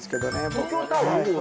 東京タワー？